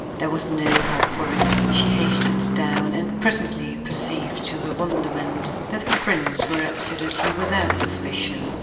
There was no help for it; she hastened down, and presently perceived to her wonderment that her friends were absolutely without suspicion.